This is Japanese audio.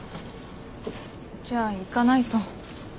じゃあ行かないと。